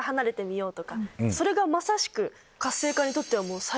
それがまさしく。